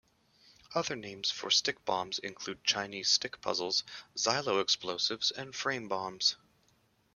Other names for stick bombs include Chinese stick puzzles, xyloexplosives, and frame bombs.